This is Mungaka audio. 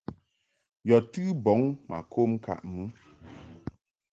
Yɔ̀ tɨ bɔŋ mà kom ŋkàʼ mɨ.